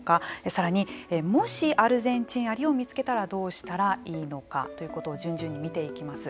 さらに、もしアルゼンチンアリを見つけたらどうしたらいいのかということを順々に見ていきます。